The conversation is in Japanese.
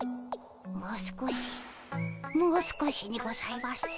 もう少しもう少しにございます。